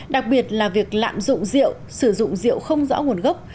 đặc biệt là việc lạm dụng rượu sử dụng rượu không rõ nguồn gốc